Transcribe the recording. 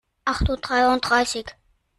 Acht Uhr dreiunddreißig.